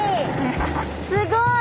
すごい！